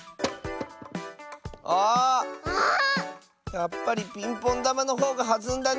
やっぱりピンポンだまのほうがはずんだね。